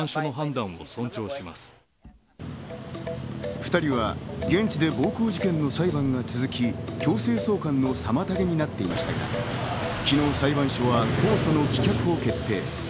２人は現地で暴行事件の裁判が続き、強制送還の妨げになっていましたが、昨日、裁判所は控訴の棄却を決定。